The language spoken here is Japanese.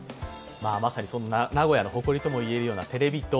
まさにそんな名古屋の誇りとも言えるテレビ塔。